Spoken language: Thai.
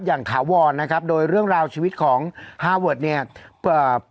อย่างขาวรนะครับโดยเรื่องราวชีวิตของฮาร์เวิร์ดเนี่ย